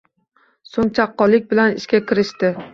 So‘ng chaqqonlik bilan ishga kirishdi